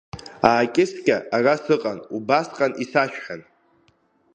Аакьыскьа ара сыҟан, убасҟан исашәҳәан…